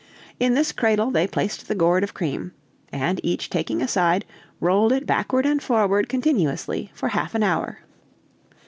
In this cradle they placed the gourd of cream, and each taking a side rolled it backward and forward continuously for half an hour.